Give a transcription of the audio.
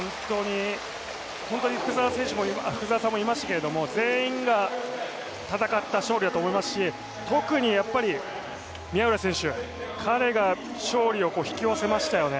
本当に福澤さんもいいましたけれども全員が戦った勝利だと思いますし特にやっぱり宮浦選手、彼が勝利を引き寄せましたよね。